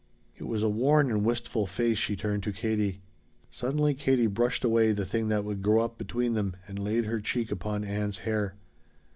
It was a worn and wistful face she turned to Katie. Suddenly Katie brushed away the thing that would grow up between them and laid her cheek upon Ann's hair.